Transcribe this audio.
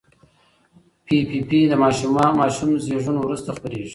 پي پي پي د ماشوم زېږون وروسته خپرېږي.